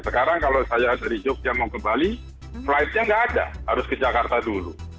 sekarang kalau saya dari jogja mau ke bali flight nya nggak ada harus ke jakarta dulu